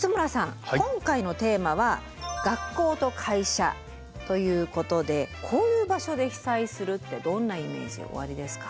今回のテーマは「学校と会社」ということでこういう場所で被災するってどんなイメージおありですか？